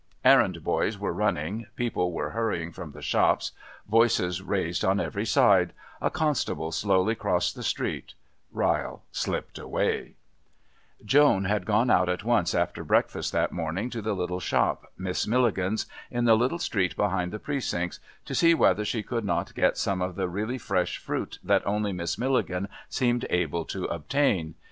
Errand boys were running, people were hurrying from the shops, voices raised on every side a Constable slowly crossed the street Ryle slipped away Joan had gone out at once after breakfast that morning to the little shop, Miss Milligan's, in the little street behind the Precincts, to see whether she could not get some of that really fresh fruit that only Miss Milligan seemed able to obtain.